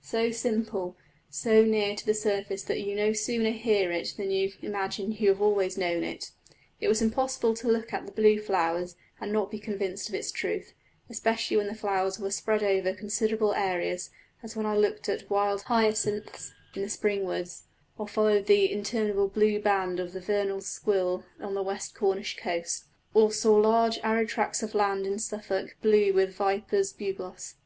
So simple, so near to the surface that you no sooner hear it than you imagine you have always known it! It was impossible to look at blue flowers and not be convinced of its truth, especially when the flowers were spread over considerable areas, as when I looked at wild hyacinths in the spring woods, or followed the interminable blue band of the vernal squill on the west Cornish coast, or saw large arid tracts of land in Suffolk blue with viper's bugloss.